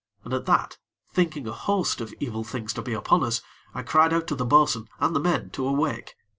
And at that, thinking a host of evil things to be upon us, I cried out to the bo'sun and the men to awake.